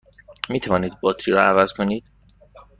می توانید باتری را عوض کنید؟